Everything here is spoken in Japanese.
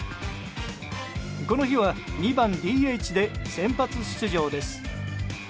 この日は２番ＤＨで先発出場です。